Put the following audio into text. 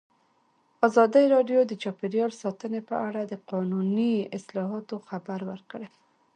ازادي راډیو د چاپیریال ساتنه په اړه د قانوني اصلاحاتو خبر ورکړی.